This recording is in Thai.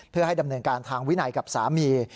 เพื่อให้ดำเนินการทางวินัยกับสามี